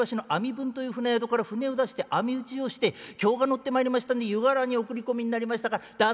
文という船宿から船を出して網打ちをして興が乗ってまいりましたんで湯河原にお繰り込みになりましたからだあ